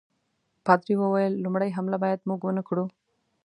پادري وویل لومړی حمله باید موږ ونه کړو.